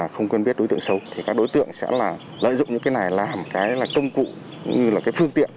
không biết đối tượng xấu thì các đối tượng sẽ là lợi dụng những cái này làm cái là công cụ như là cái phương tiện